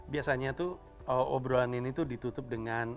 biasanya tuh obrolan ini tuh ditutup dengan